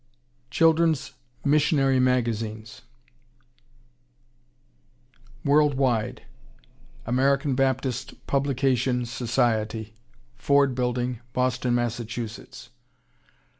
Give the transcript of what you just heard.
CHILDREN'S MISSIONARY MAGAZINES World Wide American Baptist Publication Society, Ford Bldg., Boston, Mass.